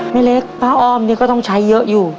แม่เล็กพระออมเนี่ยก็ต้องใช้เยอะอยู่